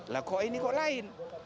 lah kok ini kok lain